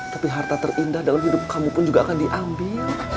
tapi harta terindah dalam hidup kamu pun juga akan diambil